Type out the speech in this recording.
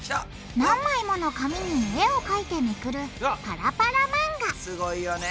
何枚もの紙に絵をかいてめくるパラパラ漫画すごいよね。